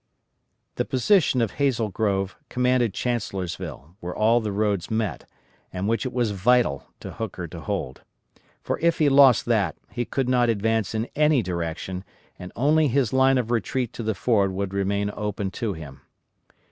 The position of Hazel Grove commanded Chancellorsville, where all the roads met, and which it was vital to Hooker to hold. For if he lost that, he could not advance in any direction, and only his line of retreat to the Ford would remain open to him.